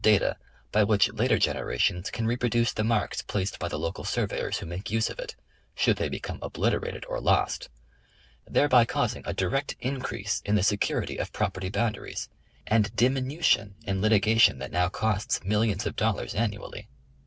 data by which later generations can reproduce the marks placed by the local surveyors who make use of it, should they become obliterated or lost; thereby causing a direct increase in the se curity of property boundaries, and diminution in litigation that now costs millions of dollars annually.